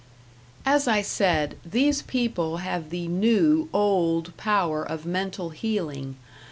As I said, these people have the new old power of mental healing.